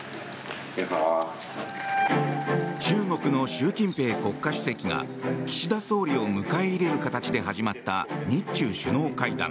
中国の習近平国家主席が岸田総理を迎え入れる形で始まった日中首脳会談。